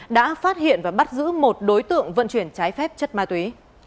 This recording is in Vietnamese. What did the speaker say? đã phát hiện và bắt giữ một đối tượng vận chuyển trái phép chất ma túy